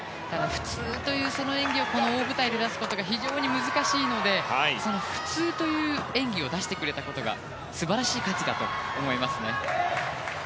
普通という演技をこの大舞台で出すことが非常に難しいのでその普通という演技を出してくれたことが素晴らしい価値だと思います。